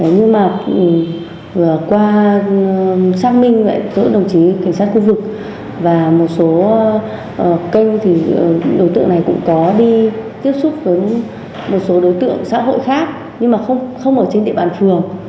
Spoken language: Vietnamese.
nhưng mà vừa qua xác minh lại giữa đồng chí cảnh sát khu vực và một số kênh thì đối tượng này cũng có đi tiếp xúc với một số đối tượng xã hội khác nhưng mà không ở trên địa bàn phường